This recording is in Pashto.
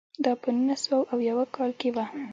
دا په نولس سوه اویاووه کال کې و.